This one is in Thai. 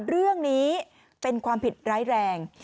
เรื่องนี้เป็นความผิดร้ายแรง